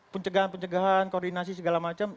pencegahan pencegahan koordinasi segala macam